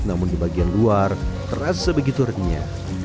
namun di bagian luar terasa begitu renyah